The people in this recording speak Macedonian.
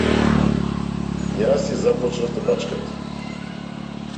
Јас ја започнав тепачката.